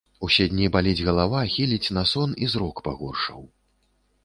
Усе дні баліць галава, хіліць на сон, і зрок пагоршаў.